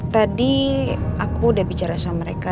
tadi aku udah bicara sama mereka